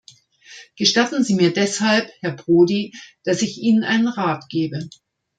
Gestatten Sie mir deshalb, Herr Prodi, dass ich Ihnen einen Rat gebe.